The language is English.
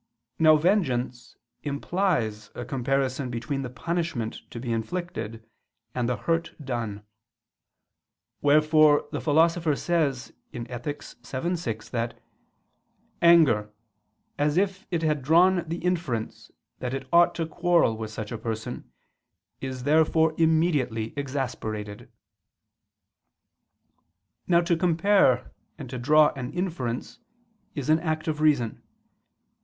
Now vengeance implies a comparison between the punishment to be inflicted and the hurt done; wherefore the Philosopher says (Ethic. vii, 6) that "anger, as if it had drawn the inference that it ought to quarrel with such a person, is therefore immediately exasperated." Now to compare and to draw an inference is an act of reason.